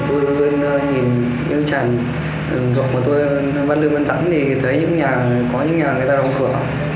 thì tôi nhìn những tràn ruộng mà tôi văn lưu văn rắn thì thấy những nhà có những nhà người ta đóng cửa